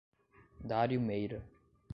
Dário Meira